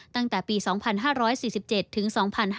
ตั้งแต่ปี๒๕๔๗ถึง๒๕๕๙